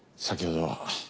先ほどは。